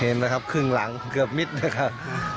เห็นแล้วครับขึ้นหลังเกือบมิตรเลยครับ